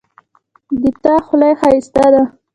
د تا خولی ښایسته ده